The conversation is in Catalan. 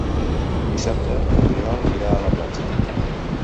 Dissabte n'Oriol irà a la platja.